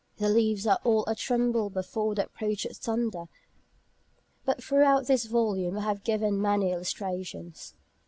The leaves are all a tremble before the approach of thunder. But throughout this volume I have given many illustrations.